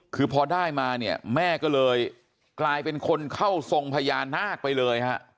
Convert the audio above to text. คือพอได้มาเนี่ยแม่ก็เลยกลายเป็นคนเข้าทรงพญานาคไปเลยฮะ